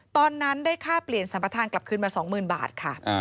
ตอนนั้นได้ค่าเปลี่ยนสรรพทางกลับขึ้นมาสองหมื่นบาทค่ะอ่า